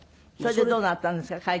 それでどうなったんですか？